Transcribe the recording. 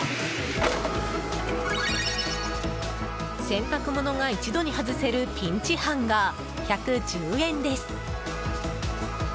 洗濯物が一度に外せるピンチハンガー、１１０円です。